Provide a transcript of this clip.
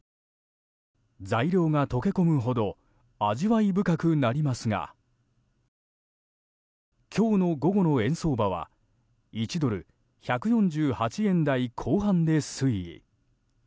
材料が溶け込むほど味わい深くなりますが今日の午後の円相場は１ドル＝１４８円台後半で推移。